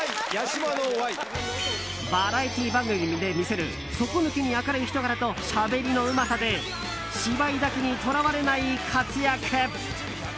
バラエティー番組で見せる底抜けに明るい人柄としゃべりのうまさで芝居だけにとらわれない活躍。